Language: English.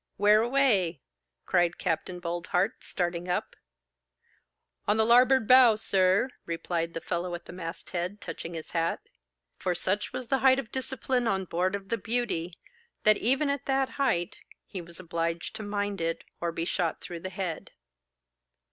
'Where away?' cried Capt. Boldheart, starting up. 'On the larboard bow, sir,' replied the fellow at the masthead, touching his hat. For such was the height of discipline on board of 'The Beauty,' that, even at that height, he was obliged to mind it, or be shot through the head.